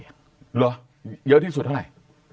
เหรอเยอะที่สุดเท่าไหร่